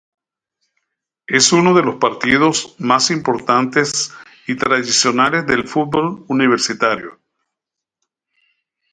Es uno de los partidos más importantes y tradicionales del fútbol universitario.